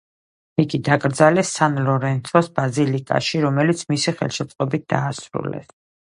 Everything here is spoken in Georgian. იგი დაკრძალეს სან ლორენცოს ბაზილიკაში, რომელიც მისი ხელშეწყობით დაასრულეს.